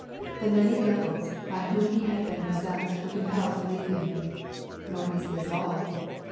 The " many devils" by whom he had been possessed were compelled to leave him. Nor is this all.